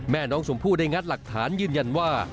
แม่น้องชมพู่ได้งัดหลักฐานยืนยันว่า